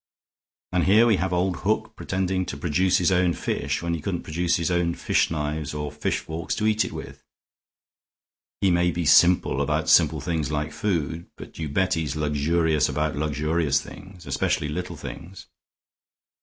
And here we have old Hook pretending to produce his own fish when he couldn't produce his own fish knives or fish forks to eat it with. He may be simple about simple things like food, but you bet he's luxurious about luxurious things, especially little things.